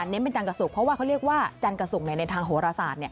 เน้นเป็นจันทร์กับศุกร์เพราะว่าเขาเรียกว่าจันทร์กับศุกร์ในทางโหระสาท